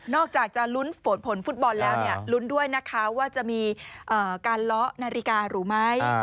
อกจากจะลุ้นผลฟุตบอลแล้วลุ้นด้วยนะคะว่าจะมีการล้อนาฬิการูไหม